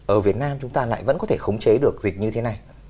ở việt nam chúng ta lại vẫn có thể khống chế được dịch như thế này